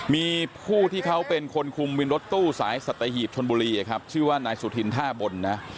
มีผู้ที่เขาเป็นคนคุมวินรถตู้สายสัตหีบชนบุรีชื่อว่านายสุธินท่าบนนะ